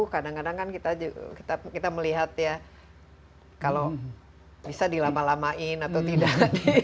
kadang kadang kan kita melihat ya kalau bisa dilama lamain atau tidak